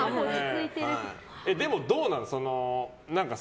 でもどうなの？